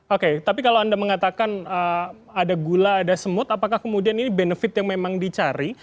oke tapi kalau anda mengatakan ada gula ada semut apakah kemudian ini benefit yang memang dicari